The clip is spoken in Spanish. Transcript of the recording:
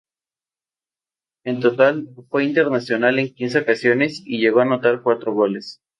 En total, fue internacional en quince ocasiones y llegó a anotar cuatro goles.